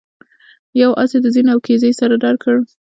یو آس یې د زین او کیزې سره درکړی.